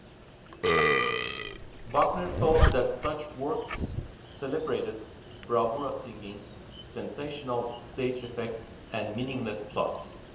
Wagner felt that such works celebrated bravura singing, sensational stage effects, and meaningless plots.